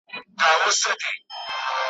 عُمر مي وعدو د دروغ وخوړی ,